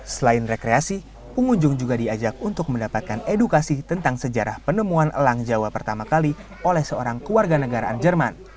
selain rekreasi pengunjung juga diajak untuk mendapatkan edukasi tentang sejarah penemuan elang jawa pertama kali oleh seorang keluarga negaraan jerman